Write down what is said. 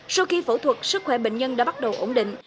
sau khi phẫu thuật sức khỏe bệnh nhân đã bắt đầu ổn định